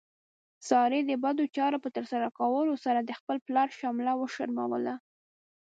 سارې د بدو چارو په ترسره کولو سره د خپل پلار شمله وشرموله.